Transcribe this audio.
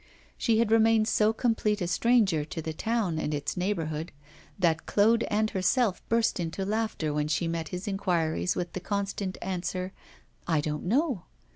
She had remained so complete a stranger to the town and its neighbourhood, that Claude and herself burst into laughter when she met his inquiries with the constant answer, 'I don't know.